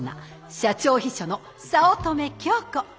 社長秘書の早乙女京子！